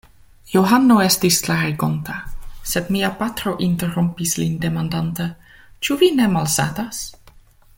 Johano estis klarigonta, sed mia patro interrompis lin demandante: Ĉu vi ne malsatas?